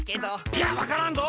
いやわからんぞ！